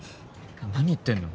何言ってんの？